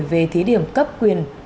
về thí điểm cấp quyền